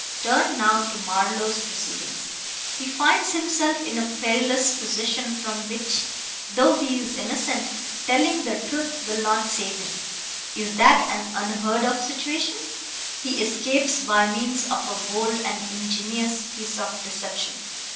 Turn now to Marlowe's proceedings. He finds himself in a perilous position from which, though he is innocent, telling the truth will not save him. Is that an unheard of situation? He escapes by means of a bold and ingenious piece of deception.